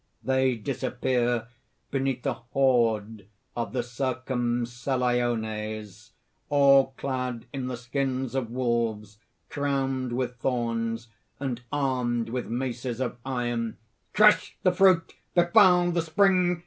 (They disappear beneath the horde of the ) CIRCUMCELLIONES (all clad in the skins of wolves, crowned with thorns, and armed with maces of iron). "Crush the fruit! befoul the spring!